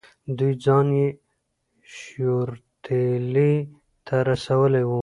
دوی ځان یې شیورتیلي ته رسولی وو.